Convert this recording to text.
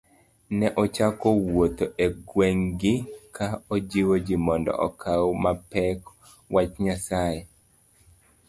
Ne ochako wuotho e gweng'gi ka ojiwo ji mondo okaw mapek wach Nyasaye